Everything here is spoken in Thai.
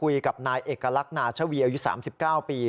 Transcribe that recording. คุยกับนายเอกลักษณ์นาชวีอายุ๓๙ปี